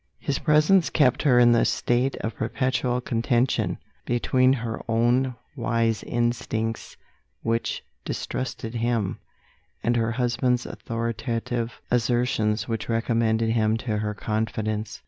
His presence kept her in a state of perpetual contention, between her own wise instincts which distrusted him, and her husband's authoritative assertions which recommended him to her confidence.